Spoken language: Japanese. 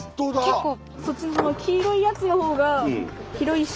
結構。